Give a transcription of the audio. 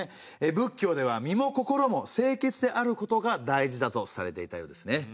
仏教では身も心も清潔であることが大事だとされていたようですね。